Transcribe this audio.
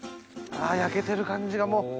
焼けてる感じがもう。